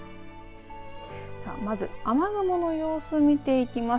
まず雨雲の様子見ていきます。